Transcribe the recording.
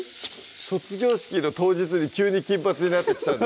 卒業式の当日に急に金髪になって来たんですか？